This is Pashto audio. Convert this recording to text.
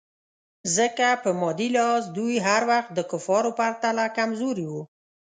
ځکه په مادي لحاظ دوی هر وخت د کفارو پرتله کمزوري وو.